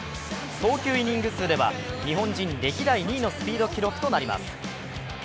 投球イニング数では日本人歴代２位のスピード記録となります。